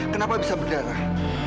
kenapa bisa berdarah